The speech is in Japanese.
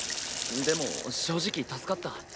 でも正直助かった。